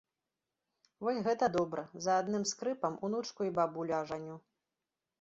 Вось гэта добра, за адным скрыпам унучку і бабулю ажаню.